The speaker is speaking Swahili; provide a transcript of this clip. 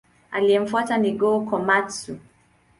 Aliyemfuata ni Go-Komatsu.